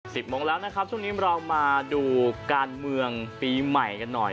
สิบโมงแล้วนะครับทุกวันนี้มาดูการเมืองปีใหม่กันหน่อย